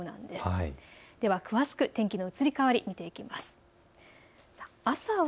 では詳しく天気の移り変わりを見ていきます。